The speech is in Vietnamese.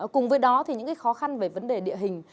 cùng với đó thì những khó khăn về vấn đề địa hình